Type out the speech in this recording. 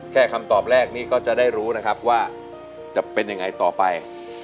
คำตอบแรกนี้ก็จะได้รู้นะครับว่าจะเป็นยังไงต่อไป